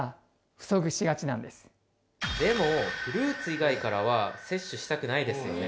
でもフルーツ以外からは摂取したくないですよね？